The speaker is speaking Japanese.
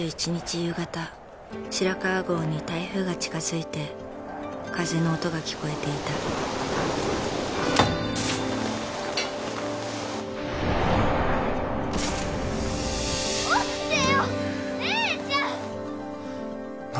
夕方白川郷に台風が近づいて風の音が聞こえていた起きてよ姉ちゃん！